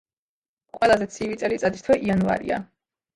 ყველაზე ცივი წელიწადის თვე იანვარია.